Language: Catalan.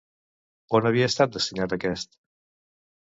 On havia estat destinat, aquest?